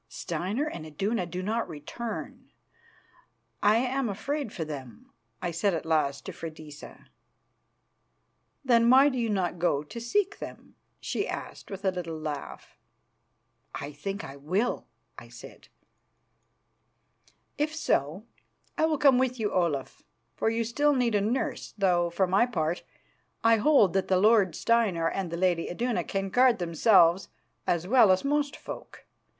"Steinar and Iduna do not return. I am afraid for them," I said at last to Freydisa. "Then why do you not go to seek them?" she asked with a little laugh. "I think I will," I said. "If so, I will come with you, Olaf, for you still need a nurse, though, for my part, I hold that the lord Steinar and the lady Iduna can guard themselves as well as most folk.